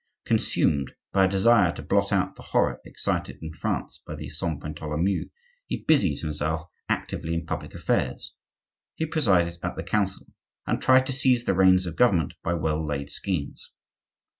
Consumed by a desire to blot out the horror excited in France by the Saint Bartholomew, he busied himself actively in public affairs; he presided at the Council, and tried to seize the reins of government by well laid schemes.